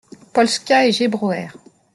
Polska et Jebroer.